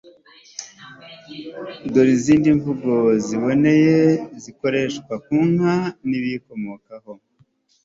dore izindi mvugo ziboneye zikoreshwa ku nka n ibiyikomokaho